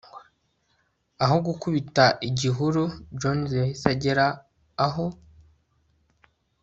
aho gukubita igihuru, jones yahise agera aho